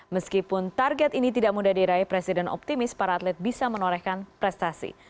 meskipun target ini tidak mudah diraih presiden optimis para atlet bisa menorehkan prestasi